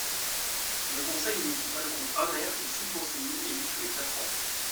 Le conseil municipal compte un maire et six conseillers élus tous les quatre ans.